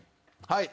はい。